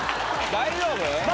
・大丈夫？